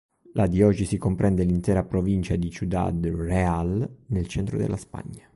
La diocesi comprende l'intera provincia di Ciudad Real nel centro della Spagna.